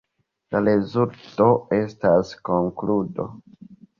La rezulto estas konkludo.